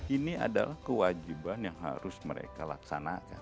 ini adalah kewajiban yang harus mereka laksanakan